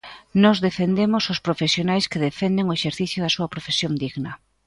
Nós defendemos os profesionais que defenden o exercicio da súa profesión digna.